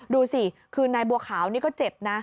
ดูสิคือนายบัวขาวนี่ก็เจ็บนะ